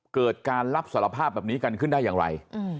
เกิดการรับสารภาพแบบนี้กันขึ้นได้อย่างไร